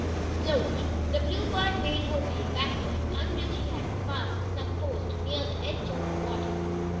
Slowly the Bluebird made her way backward until she had passed some posts near the edge of the water.